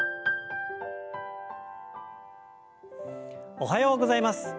おはようございます。